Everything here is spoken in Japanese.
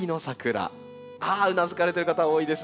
うなずかれてる方が多いですね